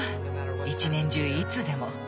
一年中いつでも。